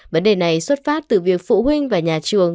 vấn đề này xuất phát từ việc phụ huynh và nhà trường